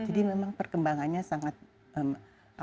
jadi memang perkembangannya